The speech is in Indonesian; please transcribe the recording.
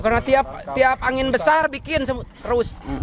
karena tiap angin besar bikin terus